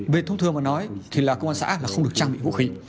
về thông thường mà nói thì là công an xã là không được trang bị vũ khí